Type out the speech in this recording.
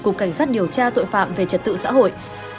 cục cảnh sát điều tra tội phạm về trật tự xã hội